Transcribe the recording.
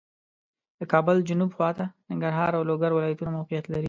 د کابل جنوب خواته ننګرهار او لوګر ولایتونه موقعیت لري